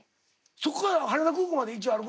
そこから羽田空港まで道歩くの？